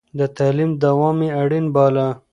د تعليم دوام يې اړين باله.